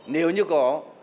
nếu như có